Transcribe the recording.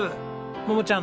桃ちゃん